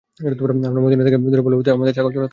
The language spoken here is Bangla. আমরা মদীনা থেকে দূরে পল্লীতে থেকে আমাদের ছাগল চড়াতাম।